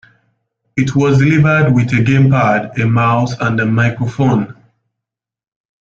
It was delivered with a gamepad, a mouse and a microphone.